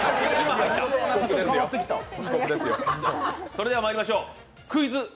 それではまいりましょうクイズ！